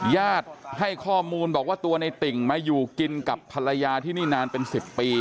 ญาติให้ข้อมูลบอกว่าตัวในติ่งมาอยู่กินกับภรรยาที่นี่นานเป็น๑๐ปี